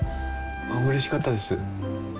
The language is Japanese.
うれしかったです。